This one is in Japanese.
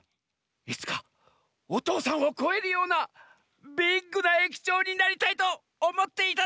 いつかおとうさんをこえるようなビッグなえきちょうになりたいとおもっていたざんす！